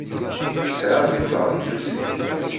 Sεiɣ agiṭar n trisiti.